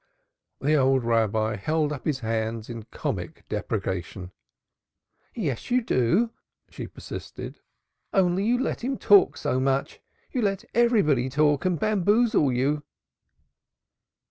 The old Rabbi held up his hands in comic deprecation. "Yes, you do," she persisted. "Only you let him talk so much; you let everybody talk and bamboozle you."